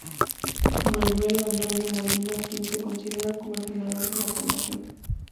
Manuel Londoño Molina a quien se considera como el fundador de la población.